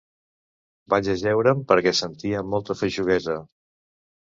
Vaig ajeure'm perquè sentia molta feixuguesa.